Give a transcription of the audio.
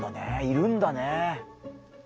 いるんだね。